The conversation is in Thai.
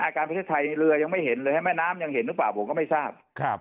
การประเทศไทยเรือยังไม่เห็นเลยแม่น้ำยังเห็นหรือเปล่าผมก็ไม่ทราบ